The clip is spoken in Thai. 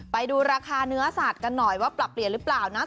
ไปดูราคาเนื้อสัตว์กันหน่อยว่าปรับเปลี่ยนหรือเปล่านะ